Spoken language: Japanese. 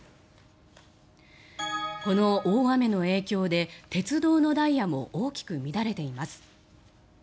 この大雨の影響で鉄道のダイヤも大きく乱れています。